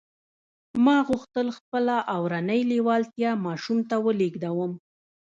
ما غوښتل خپله اورنۍ لېوالتیا ماشوم ته ولېږدوم